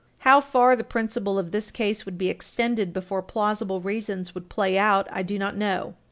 How far the principle of this case would be extended before plausible reasons would play out, I do not know.